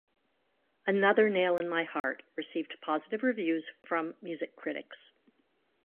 "Another Nail in My Heart" received positive reviews from music critics.